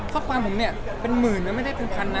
ครอบคร่าวผมเนี่ยเป็นหมื่นเนี่ยไม่ได้ถึงพันนะ